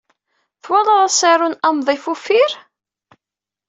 Twalaḍ asaru n Amḍif Uffir?